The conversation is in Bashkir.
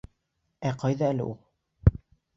Ә ҡайҙа әле ул?